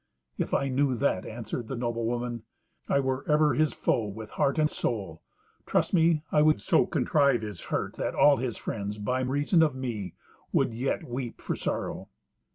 "If I knew that," answered the noble woman, "I were ever his foe with heart and soul. Trust me, I would so contrive his hurt that all his friends, by reason of me, would yet weep for sorrow."